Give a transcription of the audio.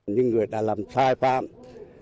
những người đã làm sai trái của ba đối tượng này